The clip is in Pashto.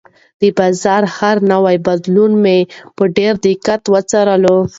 د بازار هر نوی بدلون مې په ډېر دقت وڅارلو.